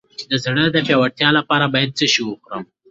د زړه د پیاوړتیا لپاره باید څه شی وخورم؟